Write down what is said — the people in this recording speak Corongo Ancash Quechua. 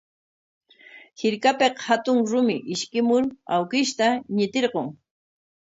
Hirkapik hatun rumi ishkimur awkishta ñitirqun.